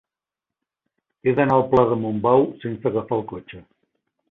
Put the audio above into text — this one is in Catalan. He d'anar al pla de Montbau sense agafar el cotxe.